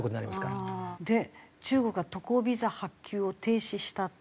で中国は渡航ビザ発給を停止した？